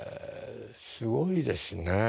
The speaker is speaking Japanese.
すごいですね。